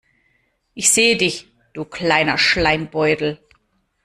Ich sehe dich, du kleiner Schleimbeutel.